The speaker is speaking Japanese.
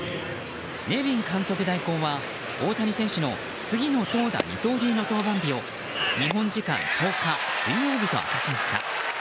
ネビン監督代行は、大谷選手の次の投打二刀流の登板日を日本時間１０日水曜日と明かしました。